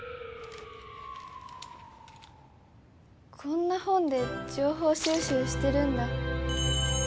こんな本で情報収集してるんだ。